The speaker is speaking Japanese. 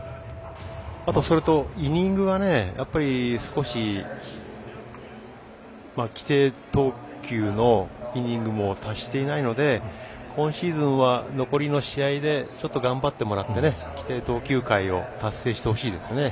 あと、それとイニングが少し、規定投球のイニングを達していないので今シーズンは残りの試合で頑張ってもらって規定投球回を達成してほしいですね。